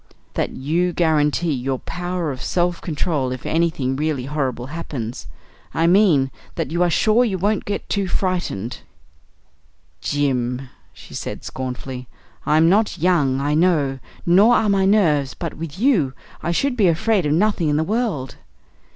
"That you guarantee your power of self control if anything really horrible happens. I mean that you are sure you won't get too frightened." "Jim," she said scornfully, "I'm not young, I know, nor are my nerves; but with you I should be afraid of nothing in the world!"